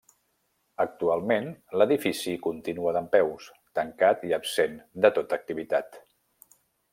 Actualment, l'edifici continua dempeus, tancat i absent de tota activitat.